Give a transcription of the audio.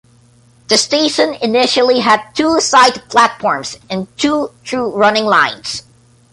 The station initially had two side platforms and two through running lines.